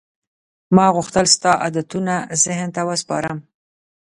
ما غوښتل ستا عادتونه ذهن ته وسپارم.